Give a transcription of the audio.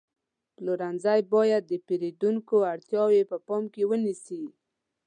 پلورنځی باید د پیرودونکو اړتیاوې په پام کې ونیسي.